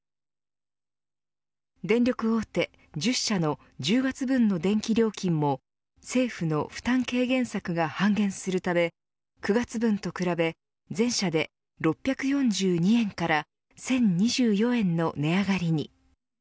電力大手１０社の１０月分の電気料金も政府の負担軽減策が半減するため９月分と比べ全社で６４２円から１０２４円の値上がりに。